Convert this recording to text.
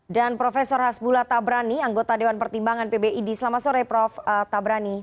profesor hasbula tabrani anggota dewan pertimbangan pbid selamat sore prof tabrani